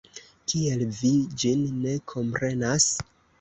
Kiel vi ĝin ne komprenas?